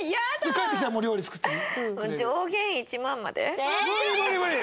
帰ってきたらもう料理作ってる。